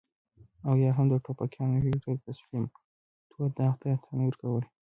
او يا هم د ټوپکيانو هيلو ته د تسليم تور داغ ته تن ورکول.